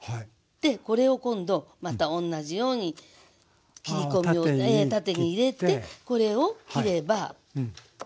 これを今度また同じように切り込みを縦に入れてこれを切れば。